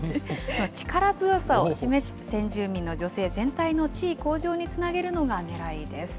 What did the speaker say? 力強さを示す先住民の女性全体の地位向上につなげるのがねらいです。